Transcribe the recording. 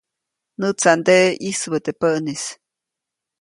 Näʼtsanteʼe ʼyisubäʼ teʼ päʼnis.